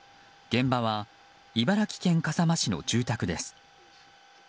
現場は茨城県笠間市の住宅です。